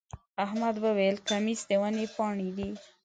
احمد وويل: کمیس د ونې پاڼې دی.